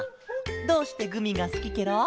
どうしてグミがすきケロ？